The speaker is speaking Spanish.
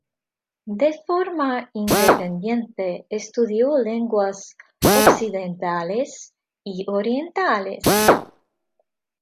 De forma independiente, estudió lenguas occidentales y orientales.